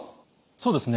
そうですね。